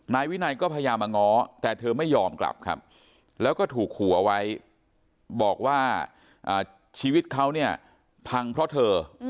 นายวินัยก็พยายามมาง้อแต่เธอไม่ยอมกลับครับแล้วก็ถูกขู่เอาไว้บอกว่าชีวิตเขาเนี่ยพังเพราะเธอ